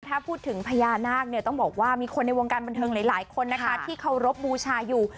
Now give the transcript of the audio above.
ถ้าพูดถึงพญานาคเนี่ยต้องบอกว่ามีคนในวงการบันเทิงหลายคนนะคะที่เคารพบูชาอยู่